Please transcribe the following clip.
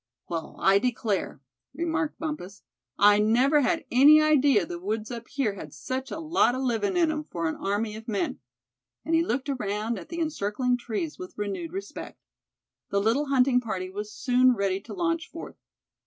"Well, I declare," remarked Bumpus, "I never had any idea the woods up here had such a lot of living in 'em for an army of men," and he looked around at the encircling trees with renewed respect. The little hunting party was soon ready to launch forth.